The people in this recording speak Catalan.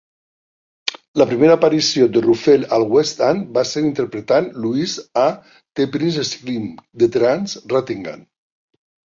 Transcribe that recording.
La primera aparició de Ruffelle al West End va ser interpretant Louisa a "The Prince Sleeping" de Terence Rattigan.